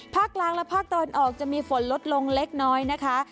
ภาคกลางและภาคตะวันออกจะมีฝนลดลงเล็กน้อยนะคะ